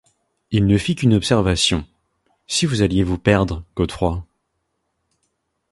Il ne fit qu’une observation :« Si vous alliez vous perdre, Godfrey ?